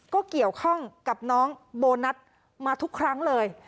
ก็เกี่ยวข้องกับน้องโบนัสมาทุกครั้งเลย